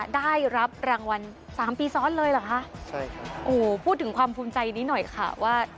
ได้รับรางวัล๓ปีซ้อนเลยเหรอคะพูดถึงความภูมิใจนิดหน่อยค่ะ